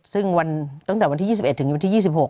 ซึ่งวันตั้งแต่วันที่๒๑ถึงวันที่๒๖